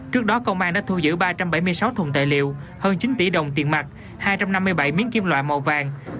trước đó công an đã thu giữ ba trăm bảy mươi sáu thùng tài liệu hơn chín tỷ đồng tiền mặt hai trăm năm mươi bảy miếng kim loại màu vàng